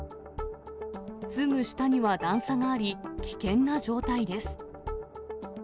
すぐ下には段差があり、危険な状態です。